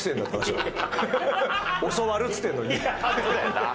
教わるっつってんのに。